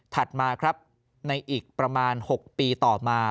มาครับในอีกประมาณ๖ปีต่อมา